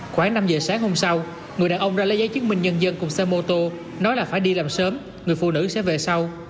khoảng năm giờ sáng hôm sau người đàn ông ra lấy giấy chứng minh nhân dân cùng xe mô tô nói là phải đi làm sớm người phụ nữ sẽ về sau